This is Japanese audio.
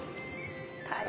大変。